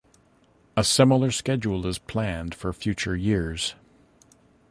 A similar schedule is planned for future years.